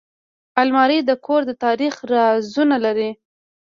الماري د کور د تاریخ رازونه لري